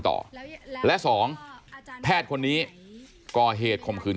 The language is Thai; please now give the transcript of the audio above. ร้องร้องร้องร้องร้องร้อง